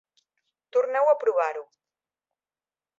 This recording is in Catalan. Torneu a provar-ho.